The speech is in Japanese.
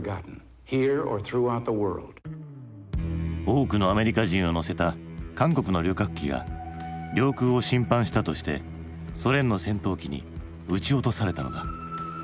多くのアメリカ人を乗せた韓国の旅客機が領空を侵犯したとしてソ連の戦闘機に撃ち落とされたのだ。